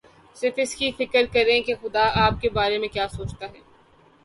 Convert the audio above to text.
صرف اس کی فکر کریں کہ خدا آپ کے بارے میں کیا سوچتا ہے۔